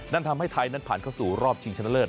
นั่นทำให้ไทยนั้นผ่านเข้าสู่รอบชิงชนะเลิศ